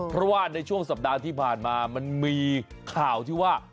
เพราะว่าในช่วงสัปดาห์ที่ผ่านมามันมีข่าวที่ว่า